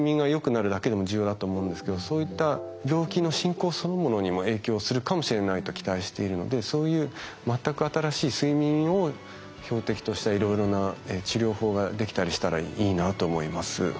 なるだけでも重要だと思うんですけどそういった病気の進行そのものにも影響するかもしれないと期待しているのでそういう全く新しい睡眠を標的としたいろいろな治療法ができたりしたらいいなと思います。